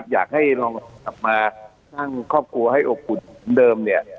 อยากหาคอบครัวห้อกปุ่นตามเอิ่มเนีย